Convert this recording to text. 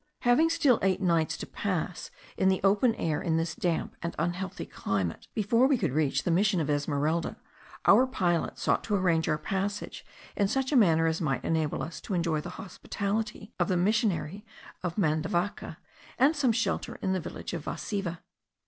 Having still eight nights to pass in the open air in this damp and unhealthy climate, before we could reach the mission of Esmeralda, our pilot sought to arrange our passage in such a manner as might enable us to enjoy the hospitality of the missionary of Mandavaca, and some shelter in the village of Vasiva.